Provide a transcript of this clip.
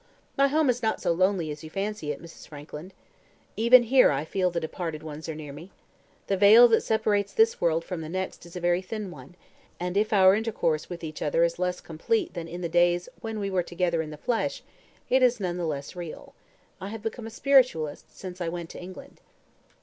My home is not so lonely as you fancy it, Mrs. Frankland. Even here I feel the departed ones are near me. The veil that separates this world from the next is a very thin one; and if our intercourse with each other is less complete than in the days when we were together in the flesh, it is none the less real. I have become a spiritualist since I went to England."